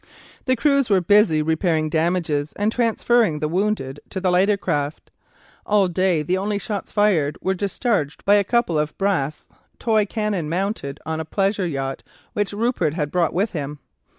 The crews were busy repairing damages and transferring the wounded to the lighter craft. All day the only shots fired were discharged by a couple of brass toy cannon mounted on a pleasure yacht which Rupert had brought with him.